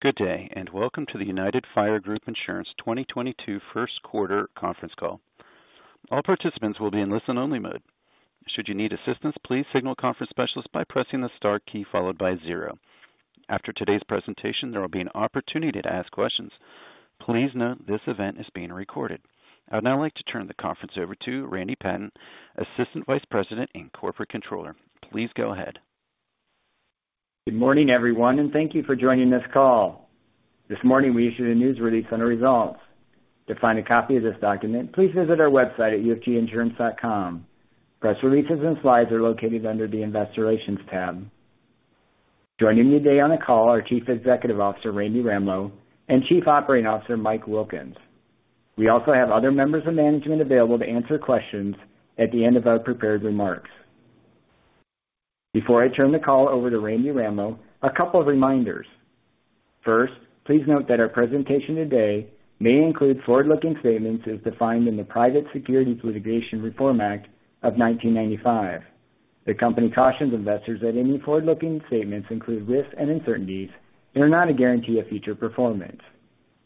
Good day, and welcome to the United Fire Group, Inc. 2022 first quarter conference call. All participants will be in listen-only mode. Should you need assistance, please signal conference specialist by pressing the star key followed by zero. After today's presentation, there will be an opportunity to ask questions. Please note this event is being recorded. I would now like to turn the conference over to Randy Patten, Assistant Vice President and Corporate Controller. Please go ahead. Good morning, everyone, and thank you for joining this call. This morning, we issued a news release on the results. To find a copy of this document, please visit our website at ufginsurance.com. Press releases and slides are located under the Investor Relations tab. Joining me today on the call are Chief Executive Officer, Randy Ramlo, and Chief Operating Officer, Mike Wilkins. We also have other members of management available to answer questions at the end of our prepared remarks. Before I turn the call over to Randy Ramlo, a couple of reminders. First, please note that our presentation today may include forward-looking statements as defined in the Private Securities Litigation Reform Act of 1995. The company cautions investors that any forward-looking statements include risks and uncertainties and are not a guarantee of future performance.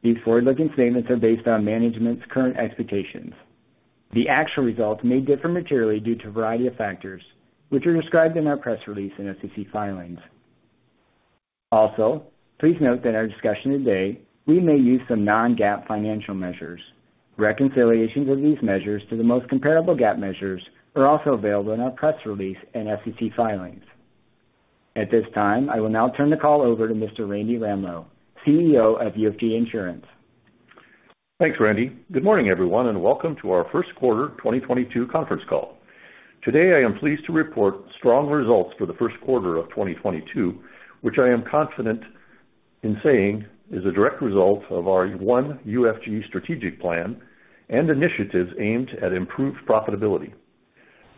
These forward-looking statements are based on management's current expectations. The actual results may differ materially due to a variety of factors, which are described in our press release and SEC filings. Also, please note that in our discussion today, we may use some non-GAAP financial measures. Reconciliations of these measures to the most comparable GAAP measures are also available in our press release and SEC filings. At this time, I will now turn the call over to Mr. Randy Ramlo, CEO of UFG Insurance. Thanks, Randy. Good morning, everyone, and welcome to our first quarter 2022 conference call. Today, I am pleased to report strong results for the first quarter of 2022, which I am confident in saying is a direct result of our one UFG strategic plan and initiatives aimed at improved profitability.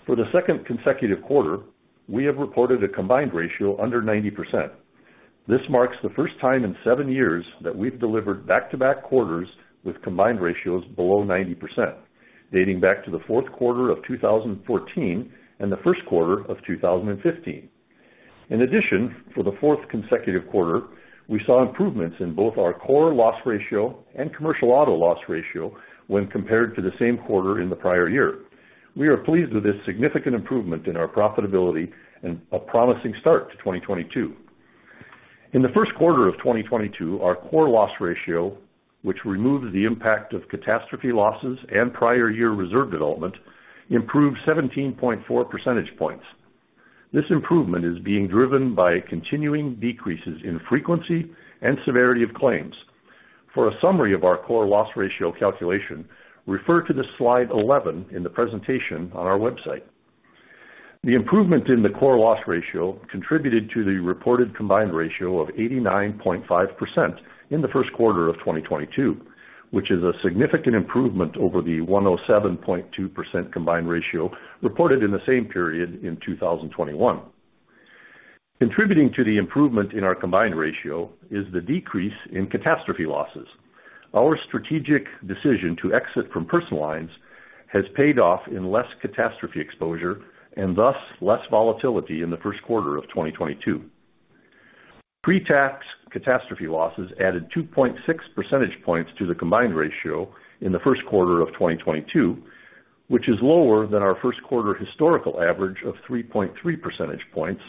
For the second consecutive quarter, we have reported a combined ratio under 90%. This marks the first time in seven years that we've delivered back-to-back quarters with combined ratios below 90%, dating back to the fourth quarter of 2014 and the first quarter of 2015. In addition, for the fourth consecutive quarter, we saw improvements in both our core loss ratio and commercial auto loss ratio when compared to the same quarter in the prior year. We are pleased with this significant improvement in our profitability and a promising start to 2022. In the first quarter of 2022, our core loss ratio, which removes the impact of catastrophe losses and prior year reserve development, improved 17.4 percentage points. This improvement is being driven by continuing decreases in frequency and severity of claims. For a summary of our core loss ratio calculation, refer to slide 11 in the presentation on our website. The improvement in the core loss ratio contributed to the reported combined ratio of 89.5% in the first quarter of 2022, which is a significant improvement over the 107.2% combined ratio reported in the same period in 2021. Contributing to the improvement in our combined ratio is the decrease in catastrophe losses. Our strategic decision to exit from personal lines has paid off in less catastrophe exposure and thus less volatility in the first quarter of 2022. Pre-tax catastrophe losses added 2.6 percentage points to the combined ratio in the first quarter of 2022, which is lower than our first quarter historical average of 3.3 percentage points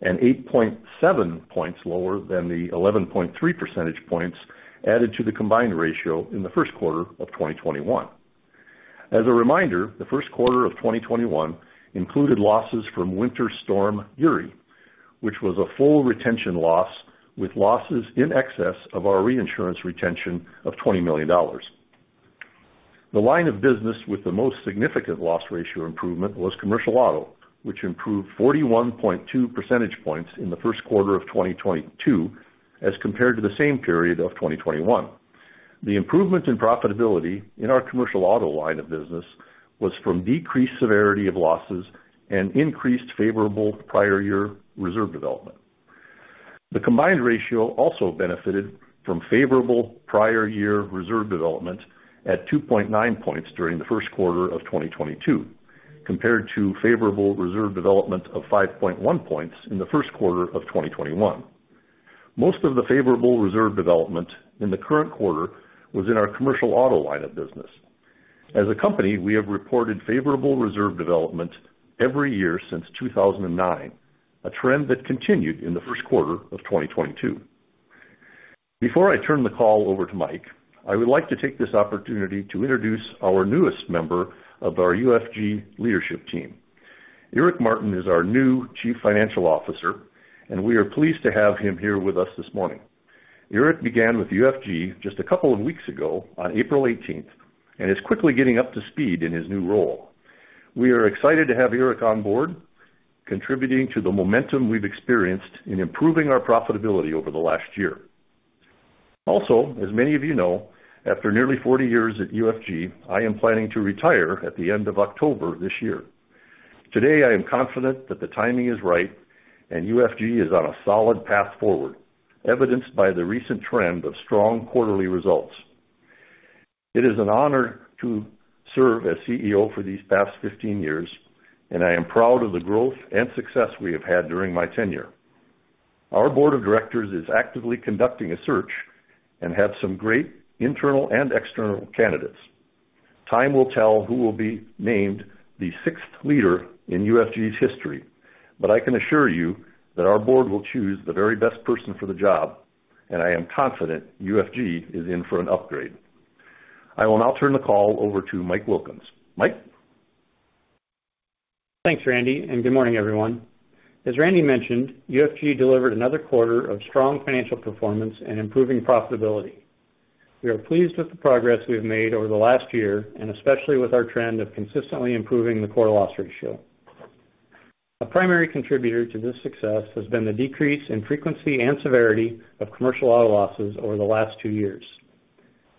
and 8.7 points lower than the 11.3 percentage points added to the combined ratio in the first quarter of 2021. As a reminder, the first quarter of 2021 included losses from Winter Storm Uri, which was a full retention loss with losses in excess of our reinsurance retention of $20 million. The line of business with the most significant loss ratio improvement was commercial auto, which improved 41.2 percentage points in the first quarter of 2022 as compared to the same period of 2021. The improvement in profitability in our commercial auto line of business was from decreased severity of losses and increased favorable prior year reserve development. The combined ratio also benefited from favorable prior year reserve development at 2.9 points during the first quarter of 2022, compared to favorable reserve development of 5.1 points in the first quarter of 2021. Most of the favorable reserve development in the current quarter was in our commercial auto line of business. As a company, we have reported favorable reserve development every year since 2009, a trend that continued in the first quarter of 2022. Before I turn the call over to Mike, I would like to take this opportunity to introduce our newest member of our UFG leadership team. Eric Martin is our new Chief Financial Officer, and we are pleased to have him here with us this morning. Eric began with UFG just a couple of weeks ago on April eighteenth and is quickly getting up to speed in his new role. We are excited to have Eric on board, contributing to the momentum we've experienced in improving our profitability over the last year. Also, as many of you know, after nearly 40 years at UFG, I am planning to retire at the end of October this year. Today, I am confident that the timing is right and UFG is on a solid path forward, evidenced by the recent trend of strong quarterly results. It is an honor to serve as CEO for these past 15 years, and I am proud of the growth and success we have had during my tenure. Our board of directors is actively conducting a search and have some great internal and external candidates. Time will tell who will be named the sixth leader in UFG's history, but I can assure you that our board will choose the very best person for the job, and I am confident UFG is in for an upgrade. I will now turn the call over to Mike Wilkins. Mike. Thanks, Randy, and good morning, everyone. As Randy mentioned, UFG delivered another quarter of strong financial performance and improving profitability. We are pleased with the progress we have made over the last year, and especially with our trend of consistently improving the core loss ratio. A primary contributor to this success has been the decrease in frequency and severity of commercial auto losses over the last two years.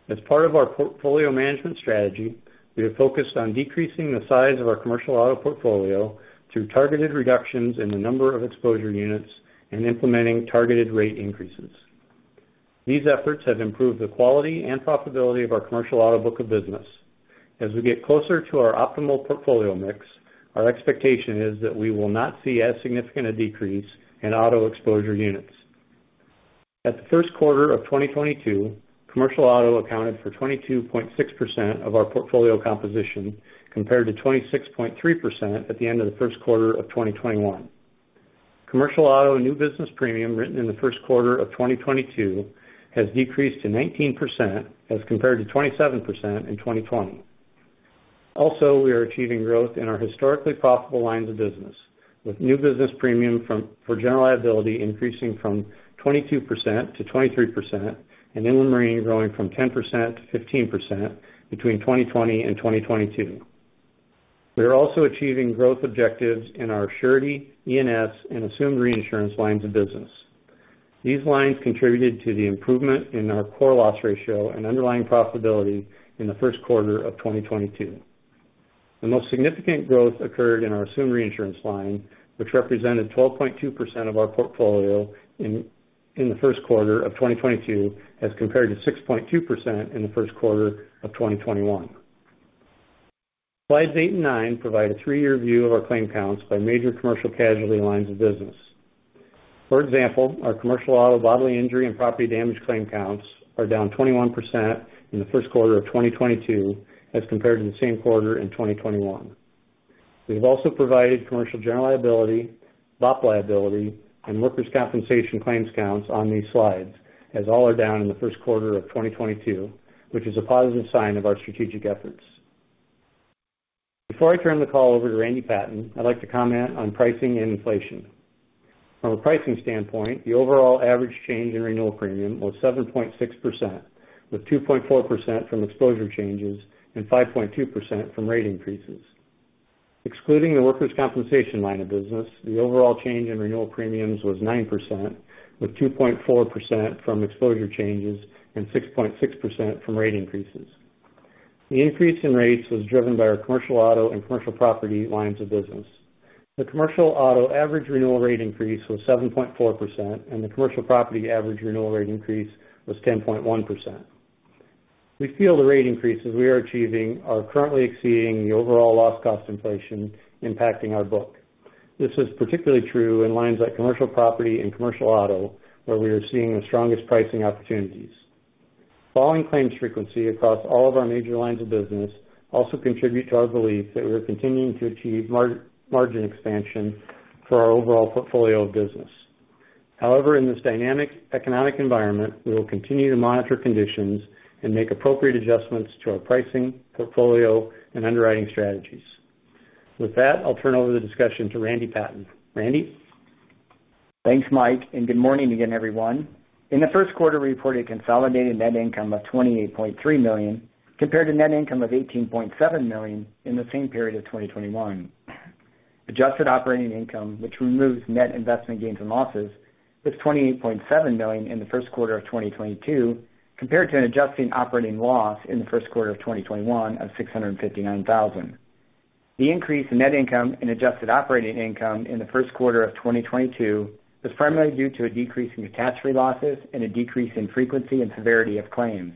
As part of our portfolio management strategy, we have focused on decreasing the size of our commercial auto portfolio through targeted reductions in the number of exposure units and implementing targeted rate increases. These efforts have improved the quality and profitability of our commercial auto book of business. As we get closer to our optimal portfolio mix, our expectation is that we will not see as significant a decrease in auto exposure units. In the first quarter of 2022, commercial auto accounted for 22.6% of our portfolio composition, compared to 26.3% at the end of the first quarter of 2021. Commercial auto new business premium written in the first quarter of 2022 has decreased to 19% as compared to 27% in 2020. Also, we are achieving growth in our historically profitable lines of business, with new business premium for general liability increasing from 22% to 23% and inland marine growing from 10% to 15% between 2020 and 2022. We are also achieving growth objectives in our Surety, ENS, and assumed reinsurance lines of business. These lines contributed to the improvement in our core loss ratio and underlying profitability in the first quarter of 2022. The most significant growth occurred in our assumed reinsurance line, which represented 12.2% of our portfolio in the first quarter of 2022, as compared to 6.2% in the first quarter of 2021. Slides eight and nine provide a three-year view of our claim counts by major commercial casualty lines of business. For example, our commercial auto bodily injury and property damage claim counts are down 21% in the first quarter of 2022 as compared to the same quarter in 2021. We have also provided commercial general liability, BOP liability, and workers' compensation claims counts on these slides, as all are down in the first quarter of 2022, which is a positive sign of our strategic efforts. Before I turn the call over to Randy Patten, I'd like to comment on pricing and inflation. From a pricing standpoint, the overall average change in renewal premium was 7.6%, with 2.4% from exposure changes and 5.2% from rate increases. Excluding the workers' compensation line of business, the overall change in renewal premiums was 9%, with 2.4% from exposure changes and 6.6% from rate increases. The increase in rates was driven by our commercial auto and commercial property lines of business. The commercial auto average renewal rate increase was 7.4%, and the commercial property average renewal rate increase was 10.1%. We feel the rate increases we are achieving are currently exceeding the overall loss cost inflation impacting our book. This is particularly true in lines like commercial auto and commercial property, where we are seeing the strongest pricing opportunities. Falling claims frequency across all of our major lines of business also contribute to our belief that we are continuing to achieve margin expansion for our overall portfolio of business. However, in this dynamic economic environment, we will continue to monitor conditions and make appropriate adjustments to our pricing, portfolio, and underwriting strategies. With that, I'll turn over the discussion to Randy Patten. Randy. Thanks, Mike, and good morning again, everyone. In the first quarter, we reported consolidated net income of $28.3 million, compared to net income of $18.7 million in the same period of 2021. Adjusted operating income, which removes net investment gains and losses, was $28.7 million in the first quarter of 2022, compared to an adjusted operating loss in the first quarter of 2021 of $659,000. The increase in net income and adjusted operating income in the first quarter of 2022 was primarily due to a decrease in catastrophe losses and a decrease in frequency and severity of claims.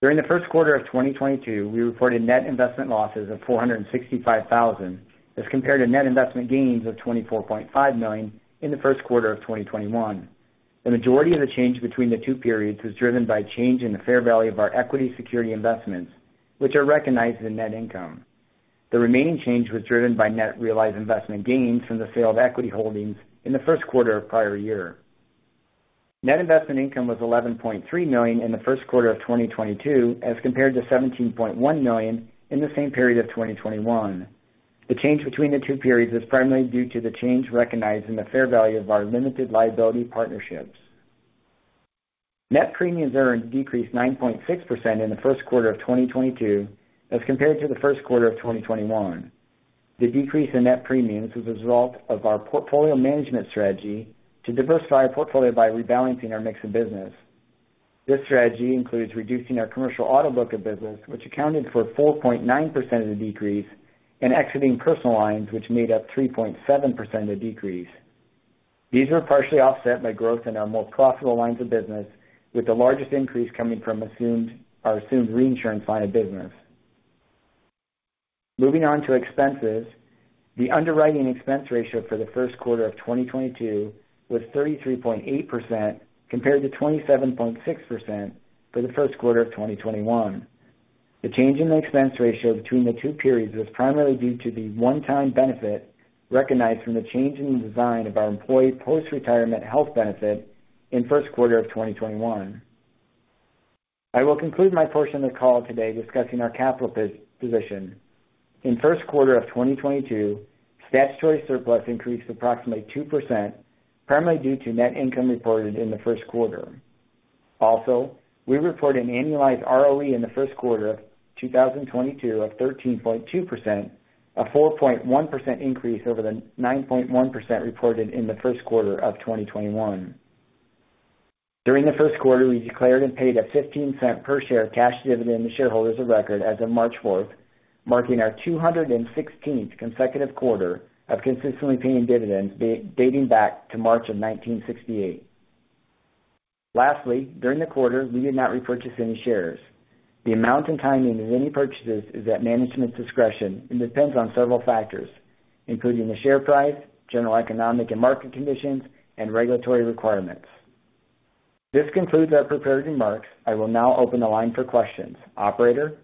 During the first quarter of 2022, we reported net investment losses of $465,000, as compared to net investment gains of $24.5 million in the first quarter of 2021. The majority of the change between the two periods was driven by change in the fair value of our equity security investments, which are recognized in net income. The remaining change was driven by net realized investment gains from the sale of equity holdings in the first quarter of prior year. Net investment income was $11.3 million in the first quarter of 2022, as compared to $17.1 million in the same period of 2021. The change between the two periods is primarily due to the change recognized in the fair value of our limited liability partnerships. Net premiums earned decreased 9.6% in the first quarter of 2022 as compared to the first quarter of 2021. The decrease in net premiums was a result of our portfolio management strategy to diversify our portfolio by rebalancing our mix of business. This strategy includes reducing our commercial auto book of business, which accounted for 4.9% of the decrease, and exiting personal lines, which made up 3.7% of the decrease. These were partially offset by growth in our most profitable lines of business, with the largest increase coming from our assumed reinsurance line of business. Moving on to expenses. The underwriting expense ratio for the first quarter of 2022 was 33.8% compared to 27.6% for the first quarter of 2021. The change in the expense ratio between the two periods was primarily due to the one-time benefit recognized from the change in the design of our employee post-retirement health benefit in first quarter of 2021. I will conclude my portion of the call today discussing our capital position. In first quarter of 2022, statutory surplus increased approximately 2%, primarily due to net income reported in the first quarter. We report an annualized ROE in the first quarter of 2022 of 13.2%, a 4.1% increase over the 9.1% reported in the first quarter of 2021. During the first quarter, we declared and paid a $0.15 per share cash dividend to shareholders of record as of March fourth, marking our 216th consecutive quarter of consistently paying dividends dating back to March of 1968. Lastly, during the quarter, we did not repurchase any shares. The amount and timing of any purchases is at management's discretion and depends on several factors, including the share price, general economic and market conditions, and regulatory requirements. This concludes our prepared remarks. I will now open the line for questions. Operator?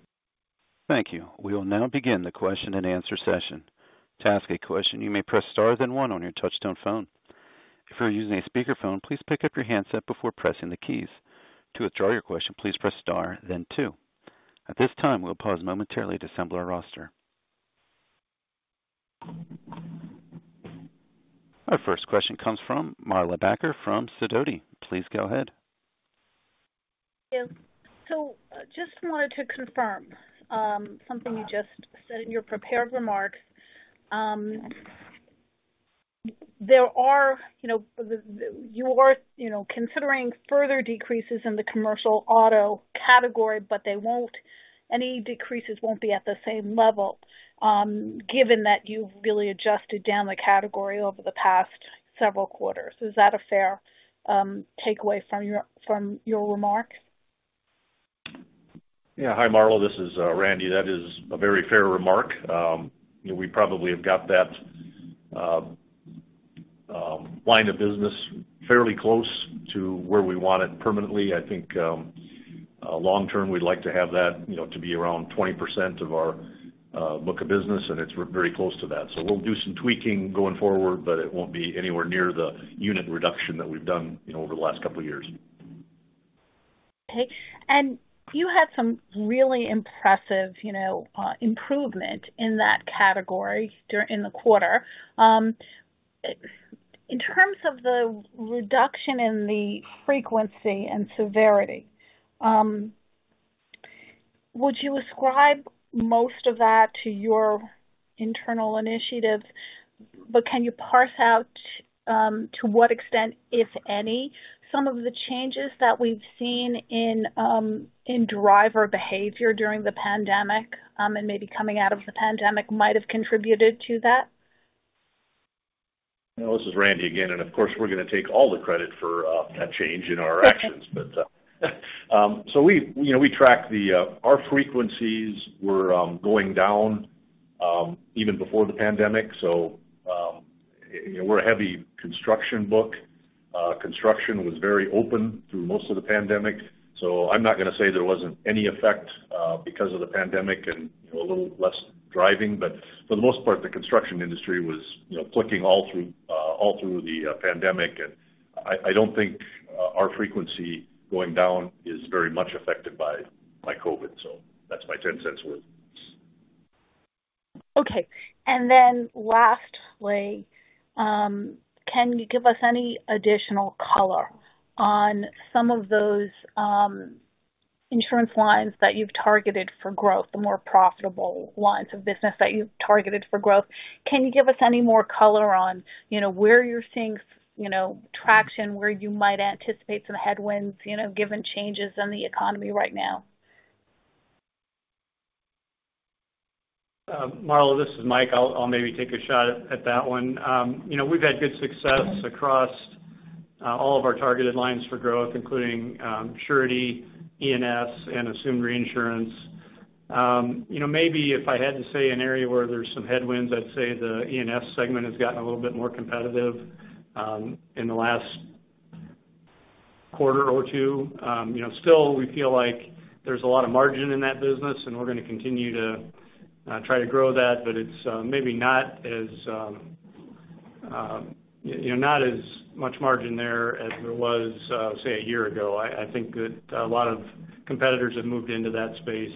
Thank you. We will now begin the question and answer session. To ask a question, you may press star then one on your touchtone phone. If you are using a speakerphone, please pick up your handset before pressing the keys. To withdraw your question, please press star then two. At this time, we'll pause momentarily to assemble our roster. Our first question comes from Marla Backer from Sidoti. Please go ahead. Yes. Just wanted to confirm something you just said in your prepared remarks. There are, you know, you are, you know, considering further decreases in the commercial auto category, but any decreases won't be at the same level, given that you've really adjusted down the category over the past several quarters. Is that a fair takeaway from your remarks? Yeah. Hi, Marla, this is Randy. That is a very fair remark. You know, we probably have got that line of business fairly close to where we want it permanently. I think long term, we'd like to have that, you know, to be around 20% of our book of business, and it's very close to that. We'll do some tweaking going forward, but it won't be anywhere near the unit reduction that we've done, you know, over the last couple of years. Okay. You had some really impressive, you know, improvement in that category in the quarter. In terms of the reduction in the frequency and severity, would you ascribe most of that to your internal initiatives? Can you parse out to what extent, if any, some of the changes that we've seen in driver behavior during the pandemic and maybe coming out of the pandemic might have contributed to that? This is Randy again, and of course, we're gonna take all the credit for that change in our actions. So we, you know, we track our frequencies were going down even before the pandemic, so you know, we're a heavy construction book. Construction was very open through most of the pandemic, so I'm not gonna say there wasn't any effect because of the pandemic and, you know, a little less driving. For the most part, the construction industry was, you know, clicking all through the pandemic. I don't think our frequency going down is very much affected by COVID. That's my $0.10 worth. Okay. Lastly, can you give us any additional color on some of those, insurance lines that you've targeted for growth, the more profitable lines of business that you've targeted for growth? Can you give us any more color on, you know, where you're seeing, you know, traction, where you might anticipate some headwinds, you know, given changes in the economy right now? Marla, this is Mike Wilkins. I'll maybe take a shot at that one. You know, we've had good success across all of our targeted lines for growth, including surety, ENS, and assumed reinsurance. You know, maybe if I had to say an area where there's some headwinds, I'd say the ENS segment has gotten a little bit more competitive in the last quarter or two. You know, still, we feel like there's a lot of margin in that business, and we're gonna continue to try to grow that. But it's maybe not as, you know, not as much margin there as there was, say, a year ago. I think that a lot of competitors have moved into that space.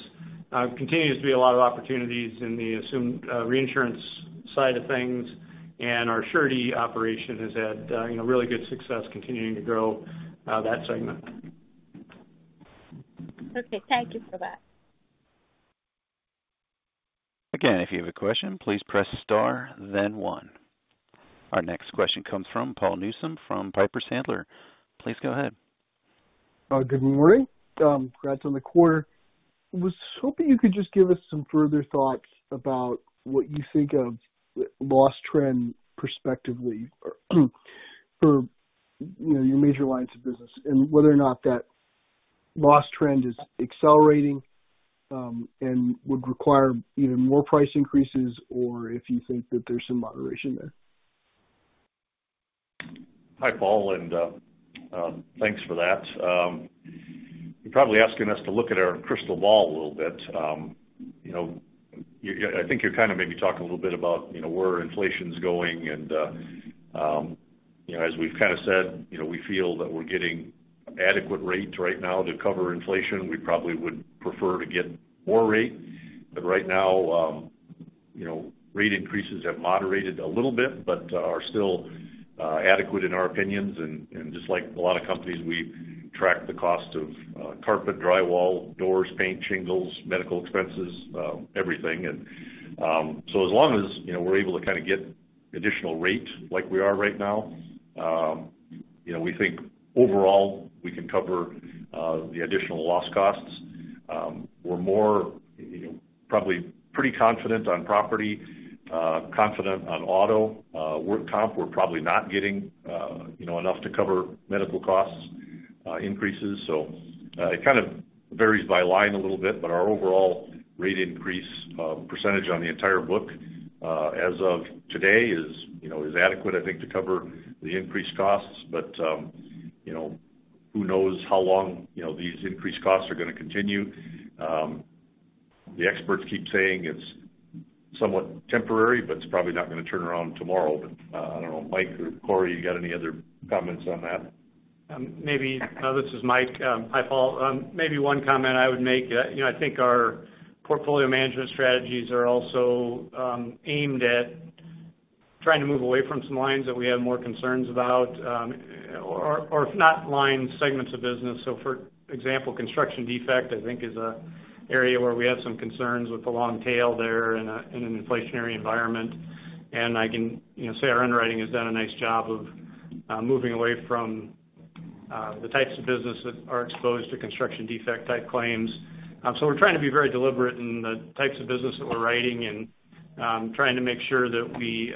Continues to be a lot of opportunities in the assumed reinsurance side of things, and our surety operation has had, you know, really good success continuing to grow that segment. Okay. Thank you for that. Again, if you have a question, please press star then one. Our next question comes from Paul Newsome from Piper Sandler. Please go ahead. Good morning. Congrats on the quarter. Was hoping you could just give us some further thoughts about what you think of the loss trend prospectively or for, you know, your major lines of business, and whether or not that loss trend is accelerating, and would require even more price increases, or if you think that there's some moderation there. Hi, Paul, thanks for that. You're probably asking us to look at our crystal ball a little bit. You know, I think you're kind of maybe talking a little bit about, you know, where inflation's going. You know, as we've kind of said, you know, we feel that we're getting adequate rates right now to cover inflation. We probably would prefer to get more rate. But right now, you know, rate increases have moderated a little bit, but are still adequate in our opinions. Just like a lot of companies, we track the cost of carpet, drywall, doors, paint, shingles, medical expenses, everything. As long as, you know, we're able to kind of get additional rate like we are right now, you know, we think overall, we can cover the additional loss costs. We're more, you know, probably pretty confident on property, confident on auto. Work comp, we're probably not getting, you know, enough to cover medical costs increases. It kind of varies by line a little bit, but our overall rate increase percentage on the entire book, as of today is, you know, is adequate, I think, to cover the increased costs. You know, who knows how long, you know, these increased costs are gonna continue. The experts keep saying it's somewhat temporary, but it's probably not gonna turn around tomorrow. I don't know, Mike or Corey, you got any other comments on that? Maybe. No, this is Mike. Hi, Paul. Maybe one comment I would make. You know, I think our portfolio management strategies are also aimed at trying to move away from some lines that we have more concerns about, or if not lines, segments of business. For example, construction defect, I think, is an area where we have some concerns with the long tail there in an inflationary environment. I can, you know, say our underwriting has done a nice job of moving away from the types of business that are exposed to construction defect type claims. We're trying to be very deliberate in the types of business that we're writing and trying to make sure that we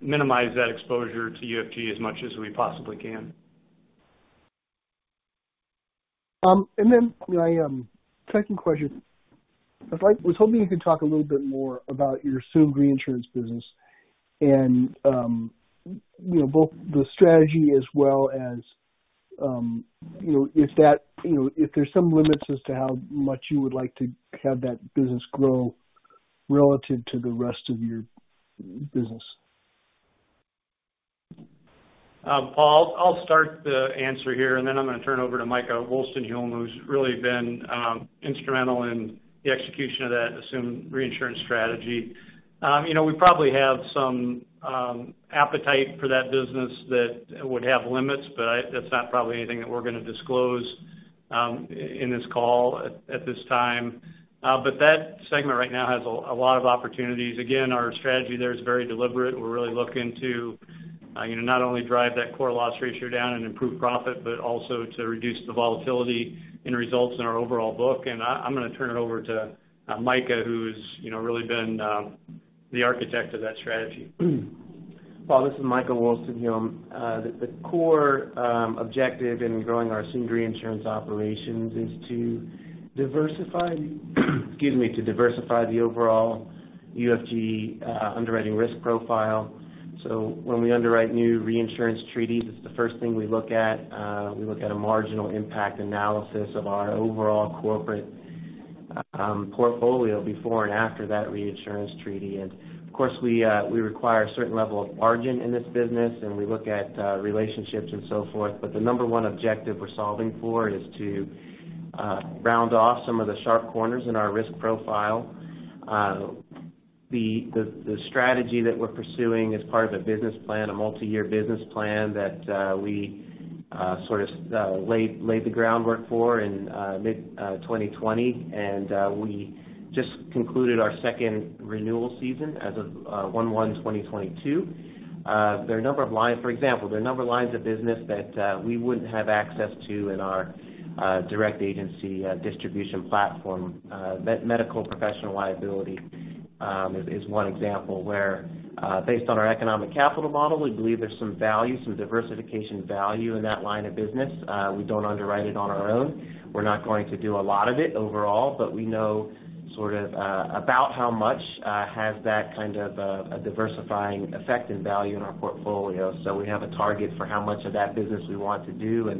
minimize that exposure to UFG as much as we possibly can. My second question. I was hoping you could talk a little bit more about your assumed reinsurance business and, you know, both the strategy as well as, you know, if there's some limits as to how much you would like to have that business grow relative to the rest of your business. Paul, I'll start the answer here, and then I'm gonna turn it over to Micah Woolstenhulme, who's really been instrumental in the execution of that assumed reinsurance strategy. You know, we probably have some appetite for that business that would have limits, but that's not probably anything that we're gonna disclose in this call at this time. That segment right now has a lot of opportunities. Again, our strategy there is very deliberate. We're really looking to, you know, not only drive that core loss ratio down and improve profit, but also to reduce the volatility and results in our overall book. I'm gonna turn it over to Micah, who's, you know, really been the architect of that strategy. Paul, this is Micah Woolstenhulme. The core objective in growing our assumed reinsurance operations is to diversify the overall UFG underwriting risk profile. When we underwrite new reinsurance treaties, it's the first thing we look at. We look at a marginal impact analysis of our overall corporate portfolio before and after that reinsurance treaty. Of course, we require a certain level of margin in this business and we look at relationships and so forth. The number one objective we're solving for is to round off some of the sharp corners in our risk profile. The strategy that we're pursuing is part of a business plan, a multi-year business plan that we sort of laid the groundwork for in mid-2020. We just concluded our second renewal season as of 1/1/2022. There are a number of lines, for example, there are a number of lines of business that we wouldn't have access to in our direct agency distribution platform. Medical professional liability is one example where, based on our economic capital model, we believe there's some value, some diversification value in that line of business. We don't underwrite it on our own. We're not going to do a lot of it overall, but we know sort of about how much has that kind of a diversifying effect and value in our portfolio. We have a target for how much of that business we want to do.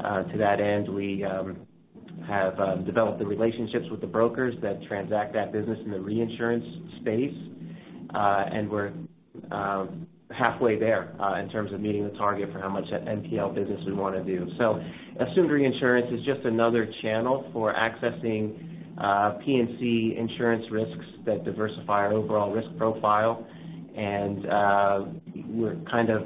To that end, we have developed the relationships with the brokers that transact that business in the reinsurance space. We're halfway there in terms of meeting the target for how much MPL business we wanna do. Assumed reinsurance is just another channel for accessing P&C insurance risks that diversify our overall risk profile. We're kind of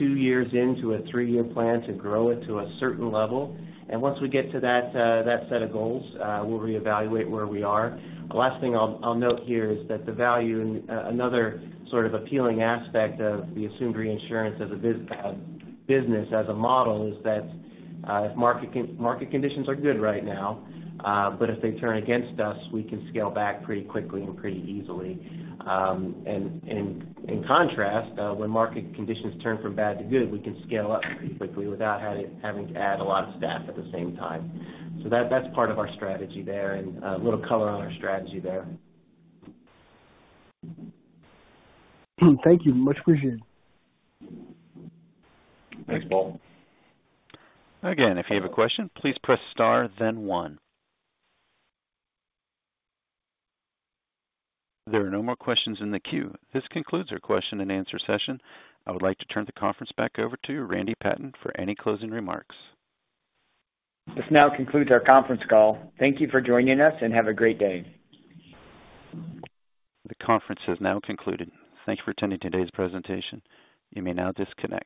two years into a three-year plan to grow it to a certain level. Once we get to that set of goals, we'll reevaluate where we are. The last thing I'll note here is that the value and another sort of appealing aspect of the assumed reinsurance as a business, as a model is that if market conditions are good right now, but if they turn against us, we can scale back pretty quickly and pretty easily. In contrast, when market conditions turn from bad to good, we can scale up pretty quickly without having to add a lot of staff at the same time. That's part of our strategy there and a little color on our strategy there. Thank you. Much appreciated. Thanks, Paul. Again, if you have a question, please press star then one. There are no more questions in the queue. This concludes our question and answer session. I would like to turn the conference back over to Randy Patten for any closing remarks. This now concludes our conference call. Thank you for joining us, and have a great day. The conference has now concluded. Thank you for attending today's presentation. You may now disconnect.